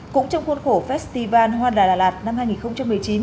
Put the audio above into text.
cũng trong khuôn khổ festival hoa đà lạt năm hai nghìn một mươi chín